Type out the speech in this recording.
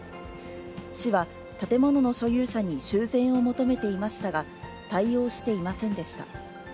市は建物の所有者に修繕を求めていましたが、対応していませんでした。